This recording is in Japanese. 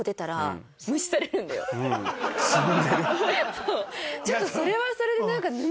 そう？